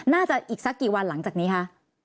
น่าจะอีกสักกี่วันหลังจากนี้คะ